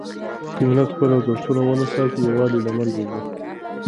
که ملت خپل ارزښتونه ونه ساتي، يووالی له منځه ځي.